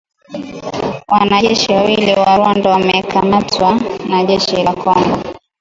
Wanajeshi wawili wa Rwanda wamekamatwa na jeshi la Kongo